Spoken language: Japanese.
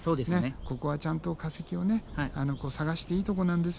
ここはちゃんと化石を探していいとこなんですよ